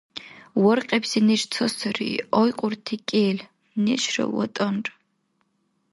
Варкьибси неш ца сари, айкьурти кӀел: нешра ВатӀанра.